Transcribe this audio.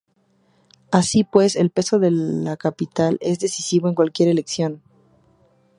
Así pues, el peso de la capital es decisivo en cualquier elección.